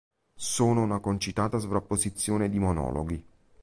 Sono una concitata sovrapposizione di monologhi.